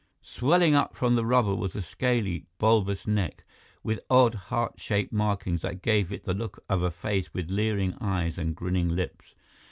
Swelling up from the rubble was a scaly, bulbous neck, with odd, heart shaped markings that gave it the look of a face with leering eyes and grinning lips.